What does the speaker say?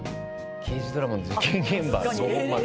「刑事ドラマの事件現場」「五本松」。